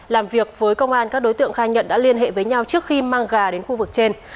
làm việc với công an các đối tượng khai nhận đã liên hệ với nhau trước khi mang gà đến khu vực trên